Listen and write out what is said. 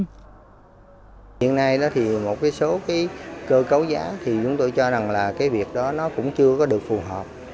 hiện nay đó thì một cái số cái cơ cấu giá thì chúng tôi cho rằng là cái việc đó nó cũng chưa có được phù hợp